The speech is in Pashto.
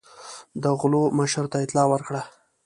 د غلو مشر ته اطلاع ورکړه.